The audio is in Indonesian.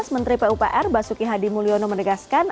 menteri pupr basuki hadi mulyono menegaskan